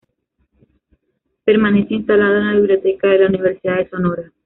Permanece instalado en la biblioteca de la Universidad de Sonora.